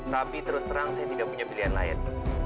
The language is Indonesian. tapi terus terang saya tidak punya pilihan lain